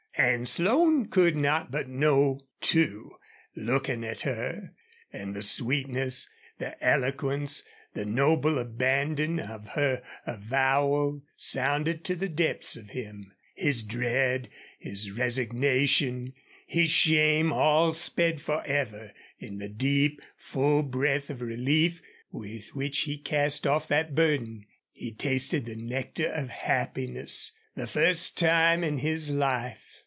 And Slone could not but know, too, looking at her; and the sweetness, the eloquence, the noble abandon of her avowal sounded to the depths of him. His dread, his resignation, his shame, all sped forever in the deep, full breath of relief with which he cast off that burden. He tasted the nectar of happiness, the first time in his life.